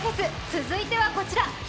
続いては、こちら。